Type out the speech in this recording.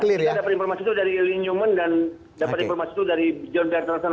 kita dapat informasi itu dari lilin newman dan dapat informasi itu dari john pertelson